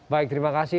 baik terima kasih